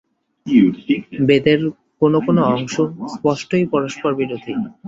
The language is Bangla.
বেদের কোন কোন অংশ স্পষ্টই পরস্পরবিরোধী।